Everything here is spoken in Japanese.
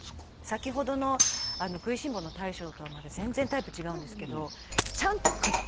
先ほどのくいしん坊の大将とはまた全然タイプ違うんですけどえっ